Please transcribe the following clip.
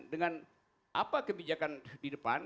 dengan apa kebijakan di depan